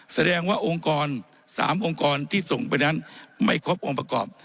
แสดงว่าองค์กร๓องค์กรที่ส่งไปนั้นไม่ครบองค์ประกอบ